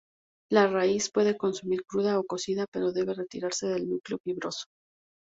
La raíz se puede consumir cruda o cocinada pero debe retirarse el núcleo fibroso.